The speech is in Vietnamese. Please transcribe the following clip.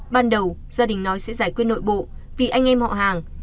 ban đầu gia đình nói sẽ giải quyết nội bộ vì anh em họ hàng